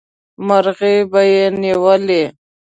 مرغۍ به یې نیولې.